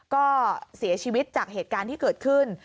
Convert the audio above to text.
ก็เสียชีวิตจากเหตุการณ์ที่เกิดขึ้น